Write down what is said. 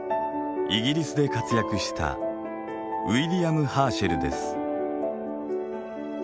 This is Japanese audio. イギリスで活躍したウィリアム・ハーシェルです。